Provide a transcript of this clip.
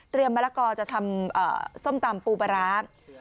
มะละกอจะทำส้มตำปูปลาร้า